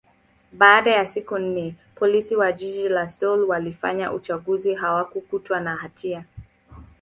baada ya siku nne, Polisi wa jiji la Seoul walifanya uchunguzi, hakukutwa na hatia.